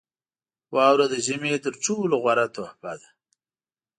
• واوره د ژمي تر ټولو غوره تحفه ده.